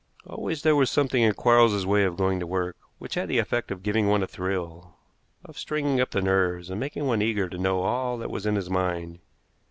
Always there was something in Quarles's way of going to work which had the effect of giving one a thrill, of stringing up the nerves, and making one eager to know all that was in his mind.